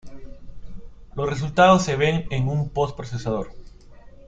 Los resultados se ven en un post-procesador.